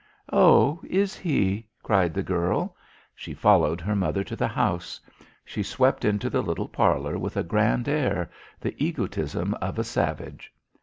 "Oh, is he?" cried the girl. She followed her mother to the house. She swept into the little parlor with a grand air, the egotism of a savage.